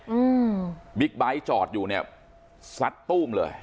อืมบิ๊กไบท์จอดอยู่เนี้ยซัดตู้มเลย